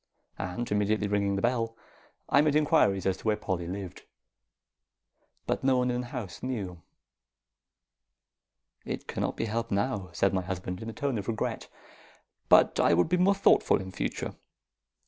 And immediately ringing the bell, I made inquiries as to where Polly lived; but no one in the house knew. "It cannot be helped now," said my husband, in a tone of regret. "But I would be more thoughtful in future.